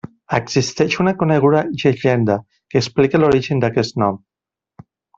Existeix una coneguda llegenda que explica l'origen d'aquest nom.